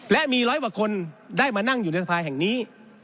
และมีร้อยกว่าคนได้มานั่งอยู่ในสภาแห่งนี้